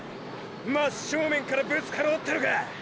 真っ正面からぶつかろうってのか！！